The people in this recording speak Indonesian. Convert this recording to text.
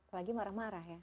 apalagi marah marah ya